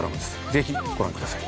ぜひご覧ください。